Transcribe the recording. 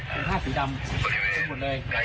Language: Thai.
คุณผ้าสีดำคุณหมดเลย